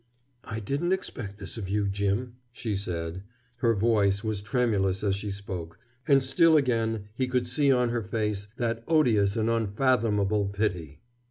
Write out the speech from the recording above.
"I didn't expect this of you, Jim," she said. Her voice was tremulous as she spoke, and still again he could see on her face that odious and unfathomable pity.